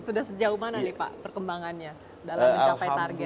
sudah sejauh mana nih pak perkembangannya dalam mencapai target